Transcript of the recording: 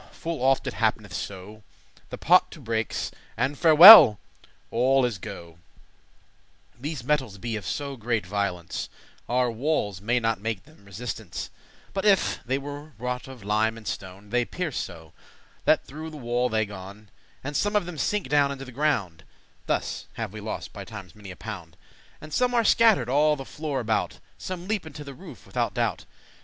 full oft it happ'neth so, The pot to breaks, and farewell! all is go'.* *gone These metals be of so great violence, Our walles may not make them resistence, *But if* they were wrought of lime and stone; *unless* They pierce so, that through the wall they gon; And some of them sink down into the ground (Thus have we lost by times many a pound), And some are scatter'd all the floor about; Some leap into the roof withoute doubt.